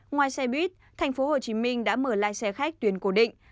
ngoài xe buýt thành phố hồ chí minh đã mở lại xe khách tuyến cố định